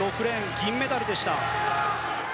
銀メダルでした。